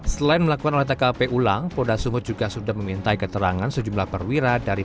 selain melakukan olah tkp ulang polda sumut juga sudah memintai keterangan sejumlah perwira dari